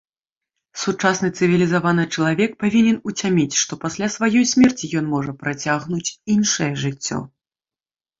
Сучасны цывілізаваны чалавек павінен уцяміць, што пасля сваёй смерці ён можа працягнуць іншае жыццё!